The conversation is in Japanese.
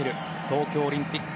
東京オリンピック